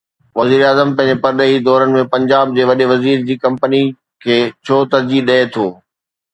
وزير اعظم پنهنجي پرڏيهي دورن ۾ پنجاب جي وڏي وزير جي ڪمپني کي ڇو ترجيح ڏئي ٿو؟